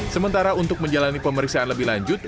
sementara untuk menjalani pemeriksaan lebih lanjut